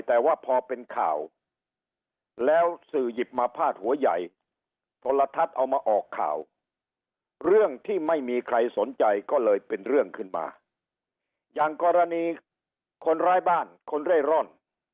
แต่ว่าพอเป็นข่าวแล้วสื่อหยิบมาพาดหัวใหญ่โทรทัศน์เอามาออกข่าวเรื่องที่ไม่มีใครสนใจก็เลยเป็นเรื่องขึ้นมาอย่างกรณีคนร้ายบ้านคนเร่ร่อน